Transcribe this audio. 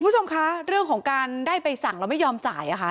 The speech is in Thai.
คุณผู้ชมคะเรื่องของการได้ใบสั่งแล้วไม่ยอมจ่ายค่ะ